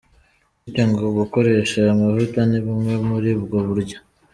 Bityo ngo gukoresha aya mavuta ni bumwe muri ubwo buryo.